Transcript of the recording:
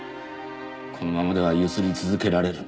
このままでは強請り続けられる。